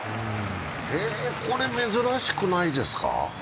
へえこれ珍しくないですか？